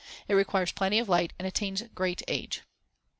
It requires plenty of light and attains great age.